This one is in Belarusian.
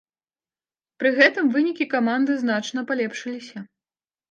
Пры гэтым вынікі каманды значна палепшыліся.